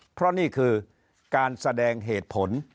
เพราะนี่คือการแสดงเหตุผล